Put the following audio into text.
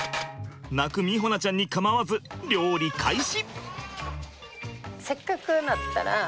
泣く美穂菜ちゃんに構わず料理開始。